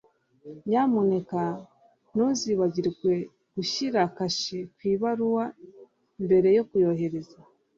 Nyamuneka ntuzibagirwe gushyira kashe ku ibaruwa mbere yo kohereza